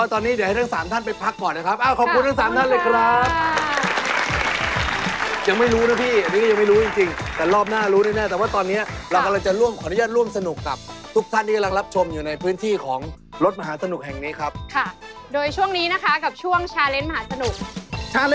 ที่ลงทำได้ใน๑๔นาทีน้องกายรับไปเลยครับรางวัลมูลค่า๓๐๐๐บาท